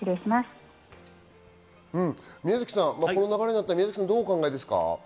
宮崎さん、この流れになったのどう考えですか？